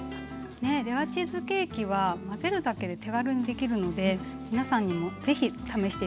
ねえレアチーズケーキは混ぜるだけで手軽にできるので皆さんにも是非試して頂きたいです。